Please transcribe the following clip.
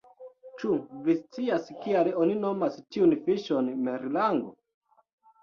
"Ĉu vi scias kial oni nomas tiun fiŝon merlango?"